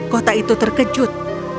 kota itu terkejut